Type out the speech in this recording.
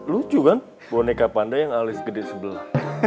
lucu kan boneka pandai yang alis gede sebelah